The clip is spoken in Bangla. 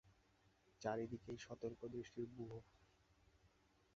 চারি দিকেই সতর্ক দৃষ্টির ব্যূহ।